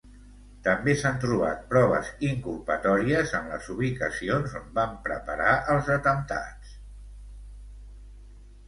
També s'han trobat proves inculpatòries en les ubicacions on van preparar els atemptats.